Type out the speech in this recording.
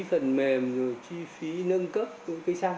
phần mềm chi phí nâng cấp của cây xăng